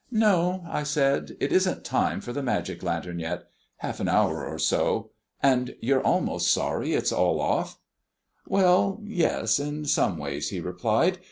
"No," I said, "it isn't time for the magic lantern yet. Half an hour or so. And you're almost sorry it's all off?" "Well, yes, in some ways," he replied.